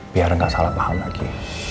biar gak salah paham lagi